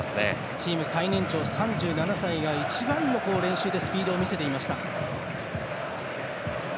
チーム最年長３７歳が練習で一番のスピードを見せていました。